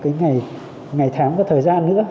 cái ngày tháng của thời gian nữa